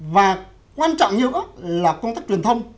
và quan trọng nhiều là công tác truyền thông